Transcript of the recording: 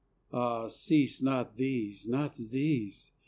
... Ah, cease, Not these, not these...